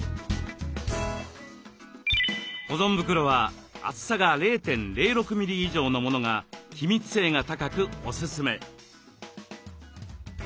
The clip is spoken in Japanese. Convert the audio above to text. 保存袋は厚さが０．０６ミリ以上のものが気密性が高くおすすめ。